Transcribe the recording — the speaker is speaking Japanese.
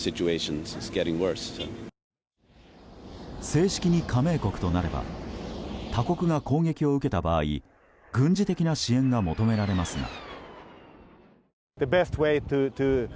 正式に加盟国となれば他国が攻撃を受けた場合軍事的な支援が求められますが。